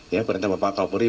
ya perintah bapak kapuri